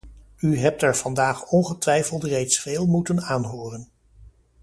U hebt er vandaag ongetwijfeld reeds veel moeten aanhoren.